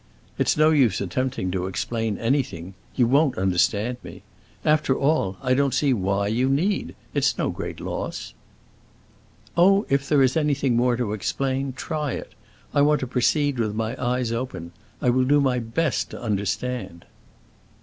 It's no use attempting to explain anything; you won't understand me. After all, I don't see why you need; it's no great loss." "Oh, if there is anything more to explain, try it! I want to proceed with my eyes open. I will do my best to understand."